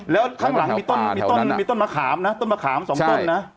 แล้วข้างหลังมีต้นมะขามนะต้นมะขามสามต้นนะ